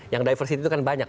yang diversity itu kan banyak